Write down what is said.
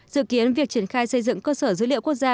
dự kiến việc triển khai xây dựng cơ sở dữ liệu quốc gia